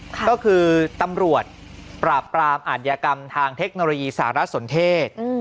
ก็คือตำรวจปราบปรามอาธิกรรมทางเทคโนโลยีสารสนเทศ